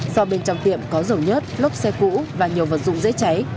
do bên trong tiệm có dầu nhớt lốp xe cũ và nhiều vật dụng dễ cháy